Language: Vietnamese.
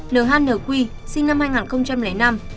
nhnq sinh năm hai nghìn năm